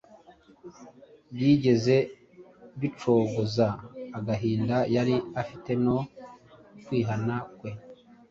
byigeze bicogoza agahinda yari afite no kwihana kwe.